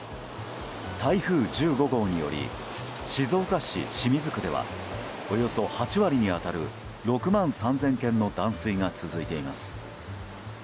台風１５号により静岡市清水区ではおよそ８割に当たる６万３０００軒の断水が続いています。